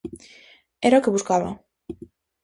Era o que buscaba.